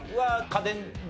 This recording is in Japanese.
家電。